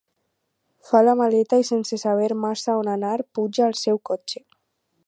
Fa la maleta, i sense saber massa on anar, puja al seu cotxe.